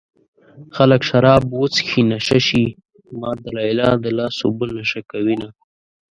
خلک شراب وڅښي نشه شي ما د ليلا د لاس اوبه نشه کوينه